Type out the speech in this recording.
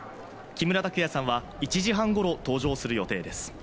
木村拓哉さんは１時半ごろ登場する予定です。